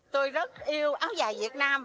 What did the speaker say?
tôi rất yêu áo dài việt nam